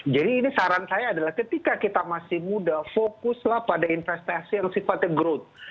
jadi ini saran saya adalah ketika kita masih muda fokuslah pada investasi yang sifatnya growth